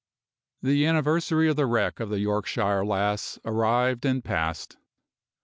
The anniversary of the wreck of the Yorkshire Lass arrived and passed.